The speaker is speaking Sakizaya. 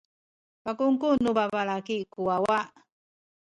pakungkuen nu babalaki ku wawa.